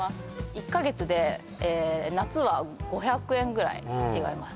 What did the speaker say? １か月で夏は５００円ぐらい違います